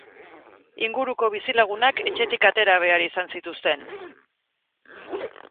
Inguruko bizilagunak etxetik atera behar izan zituzten.